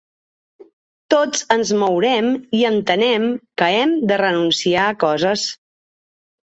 Tots ens mourem i entenem que hem de renunciar a coses.